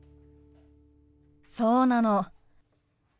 そうなの。